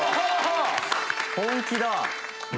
本気だ。